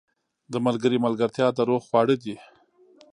• د ملګري ملګرتیا د روح خواړه دي.